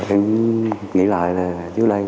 em nghĩ lại là dưới đây